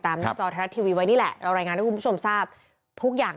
หน้าจอไทยรัฐทีวีไว้นี่แหละเรารายงานให้คุณผู้ชมทราบทุกอย่าง